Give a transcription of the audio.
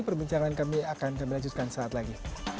perbincangan kami akan kami lanjutkan saat lagi